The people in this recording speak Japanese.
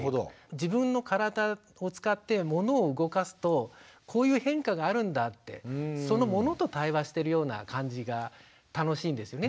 自分の体を使って物を動かすとこういう変化があるんだってその物と対話してるような感じが楽しいんですね